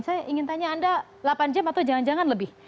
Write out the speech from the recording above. saya ingin tanya anda delapan jam atau jangan jangan lebih